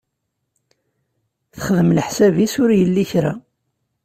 Texdem leḥsab-is ur yelli kra.